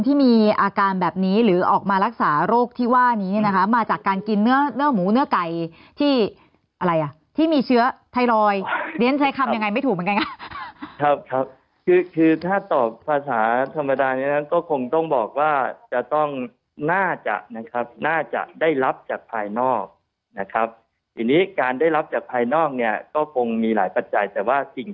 ที่มีอาการแบบนี้หรือออกมารักษาโรคที่ว่านี้เนี่ยนะคะมาจากการกินเนื้อเนื้อหมูเนื้อไก่ที่อะไรอ่ะที่มีเชื้อไทรอยด์เรียนใช้คำยังไงไม่ถูกเหมือนกันค่ะครับคือคือถ้าตอบภาษาธรรมดาในนั้นก็คงต้องบอกว่าจะต้องน่าจะนะครับน่าจะได้รับจากภายนอกนะครับทีนี้การได้รับจากภายนอกเนี่ยก็คงมีหลายปัจจัยแต่ว่าจริง